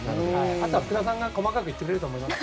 あとは福田さんが細かく言ってくれると思います。